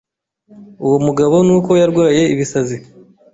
uwo mugabo nuko yarwaye ibisazi